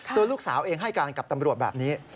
ตัวลูกสาวเองให้การกับตำรวจแบบนี้